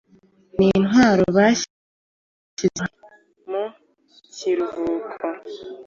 nintwaro bashyize ku ruhande mu kiruhuko